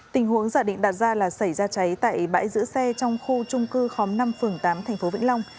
tình huống dạ định đạt ra là xảy ra cháy tại bãi giữ xe trong khu trung cư khóm năm phường tám tp vĩnh long